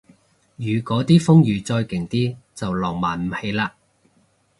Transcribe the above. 如嗰啲風雨再勁啲就浪漫唔起嘞